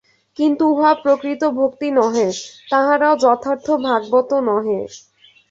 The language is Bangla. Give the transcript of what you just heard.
কিন্তু উহা প্রকৃত ভক্তি নহে, তাহারাও যথার্থ ভাগবত নহে।